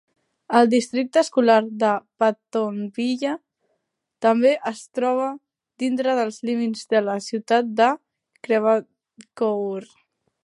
El districte escolar de Pattonville també es troba dintre dels límits de la ciutat de Creve Coeur.